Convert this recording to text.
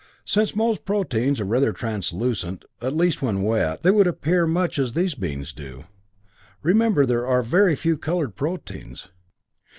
Since most proteins are rather translucent, at least when wet, they would appear much as these beings do. Remember, there are very few colored proteins.